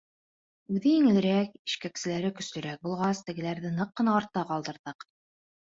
Үҙе еңелерәк, ишкәкселәре көслөрәк булғас, тегеләрҙе ныҡ ҡына артта ҡалдырҙыҡ.